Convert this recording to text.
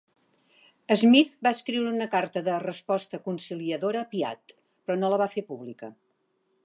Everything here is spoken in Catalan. Smith va escriure una carta de resposta conciliadora a Piatt, però no la va fer pública.